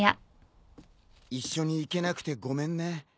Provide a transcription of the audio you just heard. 一緒に行けなくてごめんね。